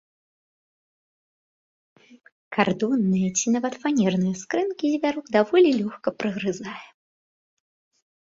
Кардонныя ці нават фанерныя скрынкі звярок даволі лёгка прагрызае.